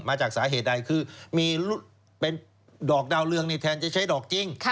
มาจากสาเหตุใดคือมีเป็นดอกดาวเรืองแทนจะใช้ดอกจริง